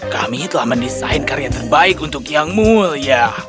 kami telah mendesain karya terbaik untuk yang mulia